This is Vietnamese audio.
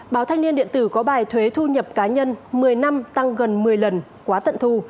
báo thanh niên điện tử có bài thuế thu nhập cá nhân một mươi năm tăng gần một mươi lần quá tận thu